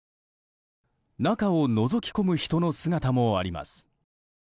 中をのぞき込む人の姿もあります。